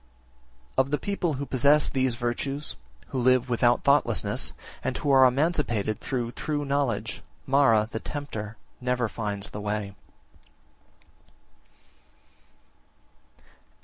57. Of the people who possess these virtues, who live without thoughtlessness, and who are emancipated through true knowledge, Mara, the tempter, never finds the way.